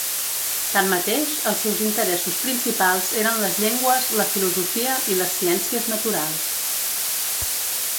Tanmateix, els seus interessos principals eren les llengües, la filosofia i les ciències naturals.